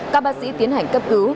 các bác sĩ tiến hành cấp cứu